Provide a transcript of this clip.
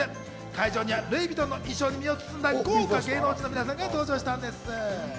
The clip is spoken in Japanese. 会場にはルイ・ヴィトンの衣装に身を包んだ豪華芸能人の皆さんが登場したんです。